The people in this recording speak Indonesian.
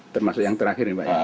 termasuk yang terakhir ya